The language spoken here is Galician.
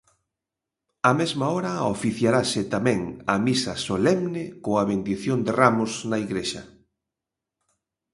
Á mesma hora oficiarase tamén a misa solemne coa Bendición de Ramos na igrexa.